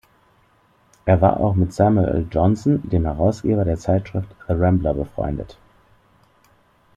Er war auch mit Samuel Johnson, dem Herausgeber der Zeitschrift "The Rambler", befreundet.